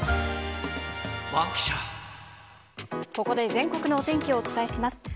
ここで全国のお天気をお伝えします。